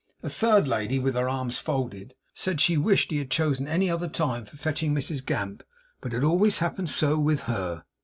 A third lady (with her arms folded) said she wished he had chosen any other time for fetching Mrs Gamp, but it always happened so with HER.